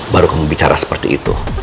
baru kamu bicara seperti itu